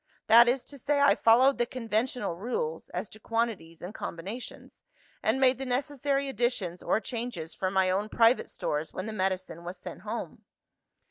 That is to say, I followed the conventional rules, as to quantities and combinations, and made the necessary additions or changes from my own private stores when the medicine was sent home.